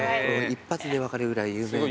一発で分かるぐらい有名な。